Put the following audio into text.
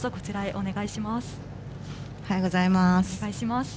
お願いします。